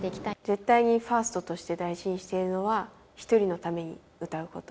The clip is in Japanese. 絶対にファーストとして大事にしているのは、１人のために歌うこと。